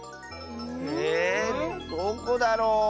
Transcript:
えどこだろう。